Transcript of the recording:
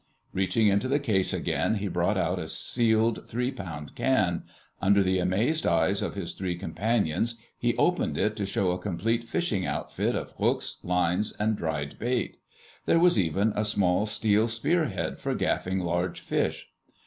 Reaching into the case again he brought out a sealed, three pound can. Under the amazed eyes of his three companions, he opened it to show a complete fishing outfit of hooks, lines and dried bait. There was even a small steel spearhead for gaffing large fish.